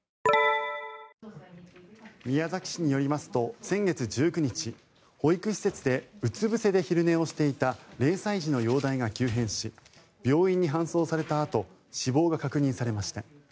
宮崎市によりますと先月１９日保育施設でうつぶせで昼寝をしていた０歳児の容体が急変し病院に搬送されたあと死亡が確認されました。